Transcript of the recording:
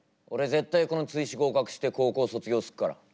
俺絶対この追試合格して高校卒業すっから。